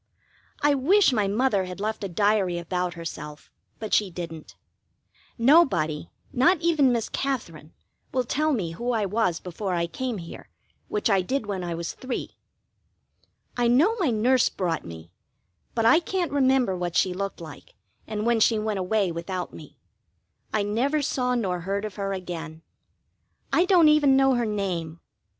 I wish my Mother had left a diary about herself, but she didn't. Nobody, not even Miss Katherine, will tell me who I was before I came here, which I did when I was three. I know my nurse brought me, but I can't remember what she looked like, and when she went away without me: I never saw nor heard of her again. I don't even know her name.